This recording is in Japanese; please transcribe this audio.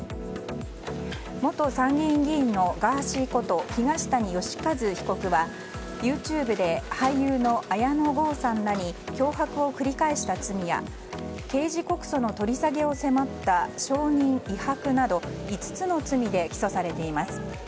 元参議院議員のガーシーこと東谷義和被告はＹｏｕＴｕｂｅで俳優の綾野剛さんらに脅迫を繰り返した罪や刑事告訴の取り下げを迫った証人威迫など５つの罪で起訴されています。